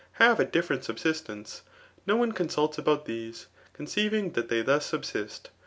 e a <U£. fierent subsistence, no one consults about these, condeiT * ing that they thus subsist.